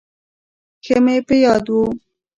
ښه مې په یاد و.